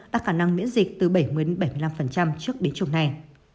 đạt khả năng miễn dịch từ bảy mươi bảy mươi năm trước biến chủng này